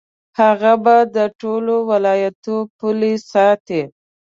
هغه به د ټولو ولایاتو پولې ساتي.